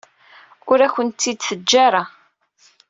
Ur akent-t-id-teǧǧa ara.